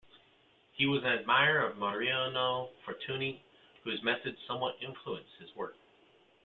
He was an admirer of Mariano Fortuny, whose methods somewhat influenced his work.